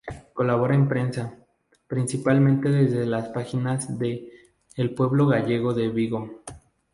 Colabora en prensa, principalmente desde las páginas de "El Pueblo Gallego" de Vigo.